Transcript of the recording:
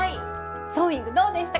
ソーイングどうでしたか？